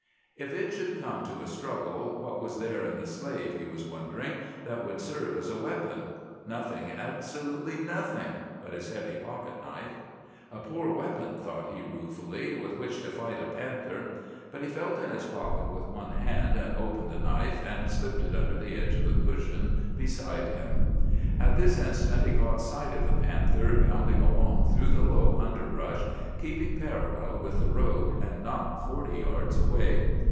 "If it should come to a struggle, what was there in the sleigh, he was wondering, that could serve as a weapon? Nothing, absolutely nothing, but his heavy pocket knife. "'A poor weapon,' thought he ruefully, 'with which to fight a panther.' But he felt in his pocket with one hand, and opened the knife, and slipped it under the edge of the cushion beside him. "At this instant he caught sight of the panther bounding along through the low underbrush, keeping parallel with the road, and not forty yards away.